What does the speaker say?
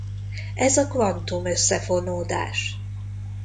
Ez a kvantum összefonódás.